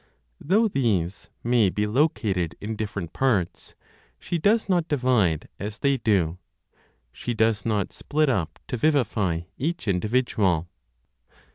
Though these may be located in different parts, she does not divide as they do, she does not split up to vivify each individual.